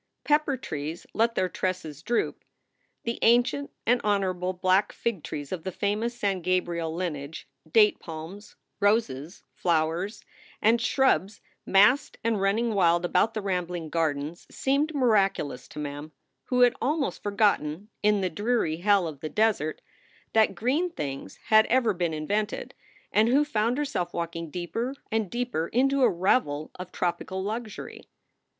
Pepper trees let their tresses droop. The ancient and honor able black fig trees of the famous San Gabriel lineage, date palms, roses, flowers, and shrubs massed and running wild about the rambling gardens seemed miraculous to Mem, who had almost forgotten, in the dreary hell of the desert, SOULS FOR SALE 141 that green things had ever been invented, and who found herself walking deeper and deeper into a revel of tropical luxury.